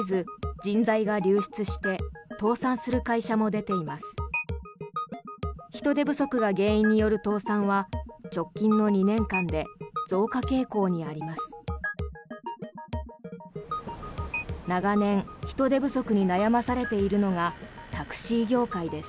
人手不足が原因による倒産は直近の２年間で増加傾向にあります。